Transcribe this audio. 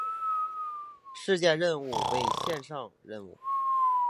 事件任务为线上任务。